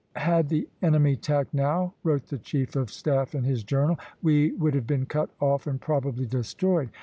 "Had the enemy tacked now," wrote the chief of staff in his journal, "we would have been cut off and probably destroyed."